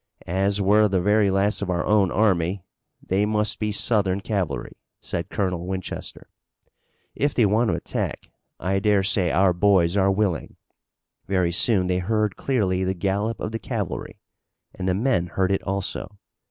"As we're the very last of our own army, they must be Southern cavalry," said Colonel Winchester. "If they want to attack, I dare say our boys are willing." Very soon they heard clearly the gallop of the cavalry, and the men heard it also.